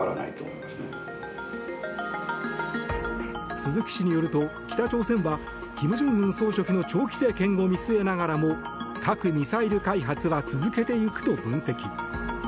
鈴木氏によると北朝鮮は金正恩総書記の長期政権を見据えながらも核・ミサイル開発は続けていくと分析。